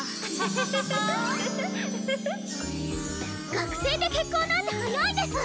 学生で結婚なんて早いです！